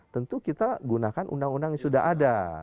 tentu kita gunakan undang undang yang sudah ada